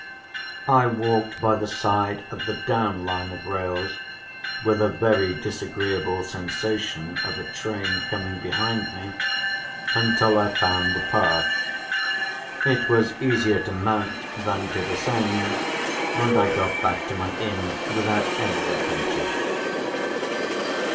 I walked by the side of the down Line of rails (with a very disagreeable sensation of a train coming behind me), until I found the path. It was easier to mount than to descend, and I got back to my inn without any adventure.